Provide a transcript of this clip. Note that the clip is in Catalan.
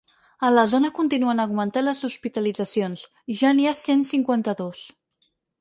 A la zona continuen augmentant les hospitalitzacions: ja n’hi ha cent cinquanta-dos.